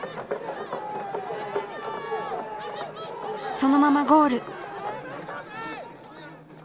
そのままゴール。